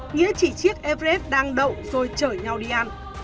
nghĩa chỉ chiếc evres đang đậu rồi chở nhau đi ăn